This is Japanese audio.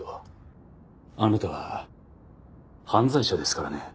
あなたは犯罪者ですからね。